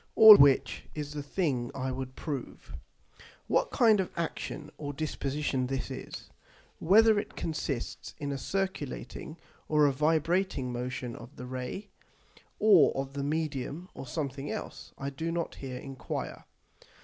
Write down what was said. All which is the thing I would prove. What kind of action or disposition this is; Whether it consists in a circulating or a vibrating motion of the Ray, or of the Medium, or something else, I do not here enquire.